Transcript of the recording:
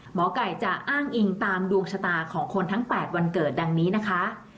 หมอไก่จะอ้างอิงตามดวงชะตาของคนทั้ง๘วันเกิดดังนี้นะคะ